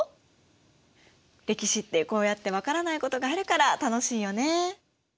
歴史ってこうやって分からないことがあるから楽しいよね！